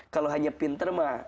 kalau hanya pinter mah